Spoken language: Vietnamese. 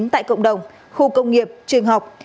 tại cộng đồng khu công nghiệp trường học